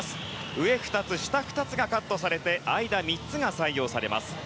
上２つ、下２つがカットされて間３つが採用されます。